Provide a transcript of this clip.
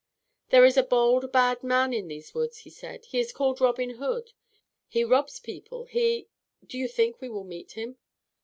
"There is a bold, bad man in these woods," he said. "He is called Robin Hood. He robs people, he do you think we will meet him?"